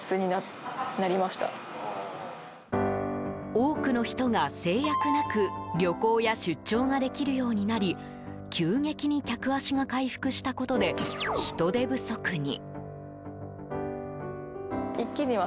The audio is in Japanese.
多くの人が制約なく旅行や出張ができるようになり急激に客足が回復したことで人手不足に。